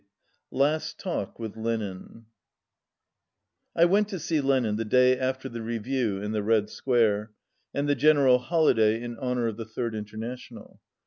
223 LAST TALK WITH LENIN I WENT to see Lenin the day after the Review in the Red Square, and the general holiday in honour of the Third International.